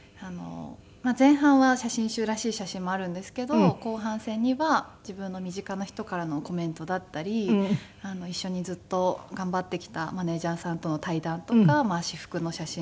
前半は写真集らしい写真もあるんですけど後半戦には自分の身近な人からのコメントだったり一緒にずっと頑張ってきたマネジャーさんとの対談とか私服の写真が入っていて。